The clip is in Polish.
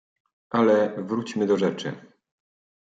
"Ale wróćmy do rzeczy."